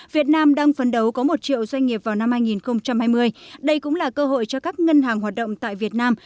việt nam đang phấn đấu có một triệu doanh nghiệp vào năm hai nghìn hai mươi đây cũng là cơ hội cho các ngân hàng hoạt động tại việt nam